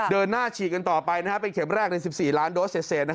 เดินหน้าฉีดกันต่อไปเป็นเข็มแรกใน๑๔ล้านโดสเศษ